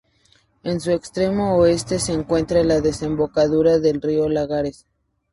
En su extremo oeste se encuentra la desembocadura del río Lagares.